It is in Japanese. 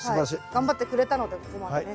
頑張ってくれたのでここまでね。